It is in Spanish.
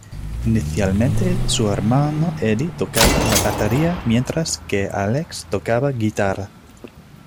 Inicialmente su hermano Eddie tocaba la batería, mientras que Alex tocaba guitarra.